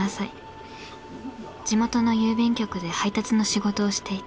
地元の郵便局で配達の仕事をしていた。